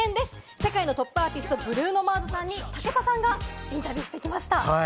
世界のトップアーティスト、ブルーノ・マーズさんに武田さんがインタビューしてきました。